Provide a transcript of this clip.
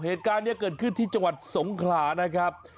เหตุการณ์นี้เกิดขึ้นที่จังหวัดสงขลานะครับ